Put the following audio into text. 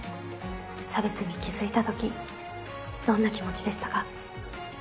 差別に気づいたときどんな気持ちでしたか？